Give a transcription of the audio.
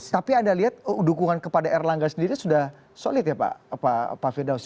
tapi anda lihat dukungan kepada erlangga sendiri sudah solid ya pak firdaus